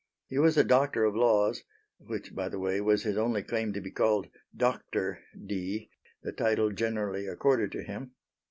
He was a Doctor of Laws (which by the way was his only claim to be called "Doctor" Dee, the title generally accorded to him).